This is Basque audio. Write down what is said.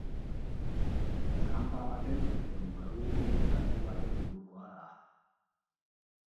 Tranpa baten edo malgukidun gailu baten modukoa da.